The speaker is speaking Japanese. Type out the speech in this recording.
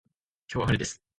今日は晴れです。